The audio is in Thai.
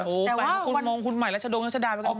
โอ้โฮไปกับคุณมงค์คุณหมายและชะโดงและชะดาไปกันหมด